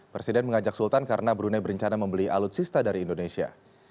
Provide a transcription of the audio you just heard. presiden mengajak sultan karena brunei berencana membeli alutsista dari indonesia